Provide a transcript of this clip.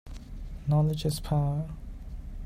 Knowledge is power